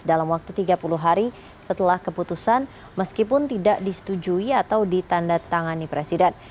dalam waktu tiga puluh hari setelah keputusan meskipun tidak disetujui atau ditanda tangani presiden